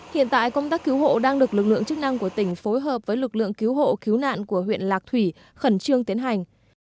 hiện tại công tác cứu hộ đang được lực lượng chức năng của tỉnh phối hợp với lực lượng cứu hộ cứu nạn của huyện lạc thủy khẩn trương tiến hành